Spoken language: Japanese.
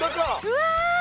うわ！